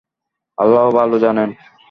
আল্লাহ্ ভালো জানেন।